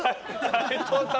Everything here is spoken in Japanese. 斎藤さん